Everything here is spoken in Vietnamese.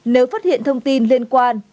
nếu phát hiện thông tin liên quan